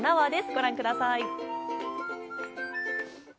ご覧ください。